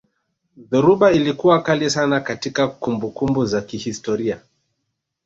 dhoruba ilikuwa kali sana katika kumbukumbu za kihistoria